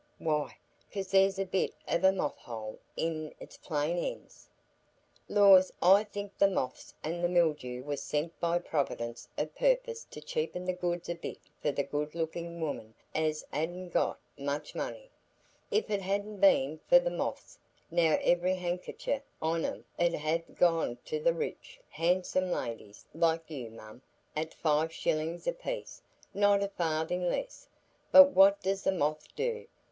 Why, 'cause there's a bit of a moth hole 'i this plain end. Lors, I think the moths an' the mildew was sent by Providence o' purpose to cheapen the goods a bit for the good lookin' women as han't got much money. If it hadn't been for the moths, now, every hankicher on 'em 'ud ha' gone to the rich, handsome ladies, like you, mum, at five shillin' apiece,—not a farthin' less; but what does the moth do?